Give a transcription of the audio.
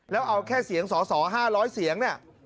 แล้วเอาแค่เสียงสส๕๐๐เสียงเนี่ย